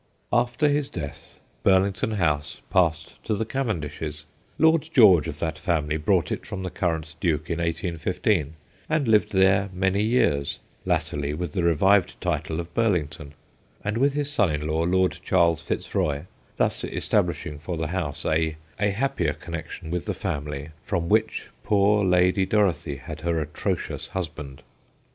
After his death Burlington House passed to the Cavendishes. Lord George of that family bought it from the current Duke in 1815, and lived there many years, latterly with the revived title of Burlington, and with his son in law, Lord Charles FitzRoy thus establishing for the house a happier connection with the family from which poor Lady Dorothy had her atrocious husband.